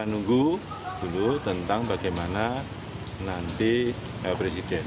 kita nunggu dulu tentang bagaimana nanti presiden